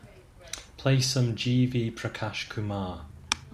Play some G. V. Prakash Kumar